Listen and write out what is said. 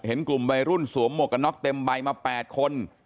เห็นกลุ่มใบรุ่นสวมมวกกับน็อคเต็มใบมาแปดคน